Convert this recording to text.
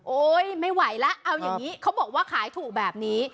โอ๊ยไม่ไหวละเอายังงี้เขาบอกว่าขายถูกแบบนี้